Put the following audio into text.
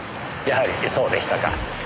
やはりそうでしたか。